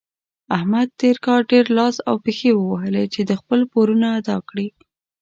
احمد تېر کار ډېر لاس او پښې ووهلې چې خپل پورونه ادا کړي.